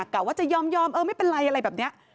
กะว่าจะยอมเออไม่เป็นไรอะไรแบบนี้